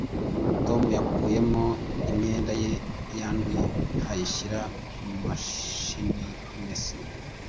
tom yakuyemo imyenda ye yanduye ayishyira mu mashini imesa